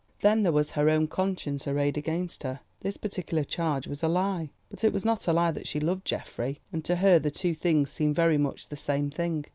Then there was her own conscience arrayed against her. This particular charge was a lie, but it was not a lie that she loved Geoffrey, and to her the two things seemed very much the same thing.